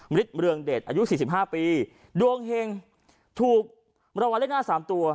ฤทธิเรืองเดชอายุสี่สิบห้าปีดวงเห็งถูกรางวัลเลขหน้าสามตัว